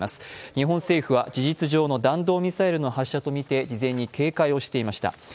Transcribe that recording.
日本政府は事実上の弾道ミサイルの発射とみて事前に警戒をしていました。